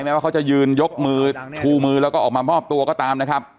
ว่าเขาจะยืนยกมือชูมือแล้วก็ออกมามอบตัวก็ตามนะครับ